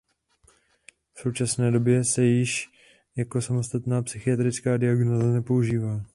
V současné době se již jako samostatná psychiatrická diagnóza nepoužívá.